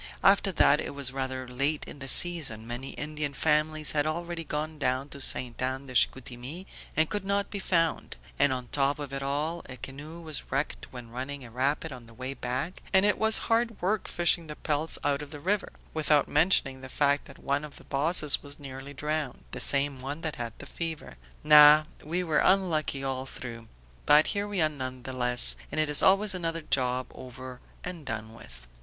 After that it was rather late in the season; many Indian families had already gone down to Ste. Anne de Chicoutimi and could not be found; and on top of it all a canoe was wrecked when running a rapid on the way back, and it was hard work fishing the pelts out of the river, without mentioning the fact that one of the bosses was nearly drowned, the same one that had the fever. No, we were unlucky all through. But here we are none the less, and it is always another job over and done with."